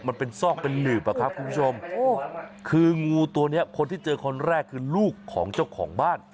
มันเป็นซอกเป็นหลืบอะครับคุณผู้ชมคืองูตัวเนี้ยคนที่เจอคนแรกคือลูกของเจ้าของบ้าน